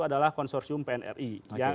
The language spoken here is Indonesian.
adalah konsorsium pnri yang